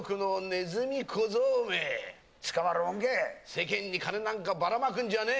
世間に金なんかばらまくんじゃねえ。